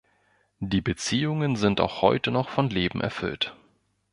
Die Beziehungen sind auch heute noch von Leben erfüllt.